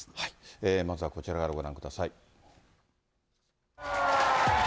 まずはこちらからご覧ください。